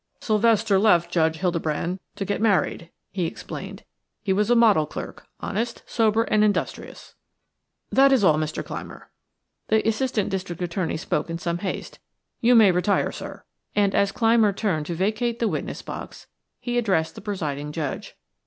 "Sylvester left Judge Hildebrand to get married," he explained. "He was a model clerk; honest, sober, and industrious." "That is all, Mr. Clymer." The Assistant District Attorney spoke in some haste. "You may retire, sir," and, as Clymer turned to vacate the witness box, he addressed the presiding judge.